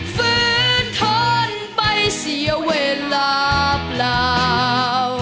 ฟื้นทนไปเสียเวลาเปล่า